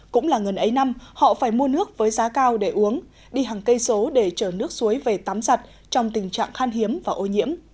cũng là ngần ấy năm họ phải mua nước với giá cao để uống đi hàng cây số để chở nước suối về tắm giặt trong tình trạng khan hiếm và ô nhiễm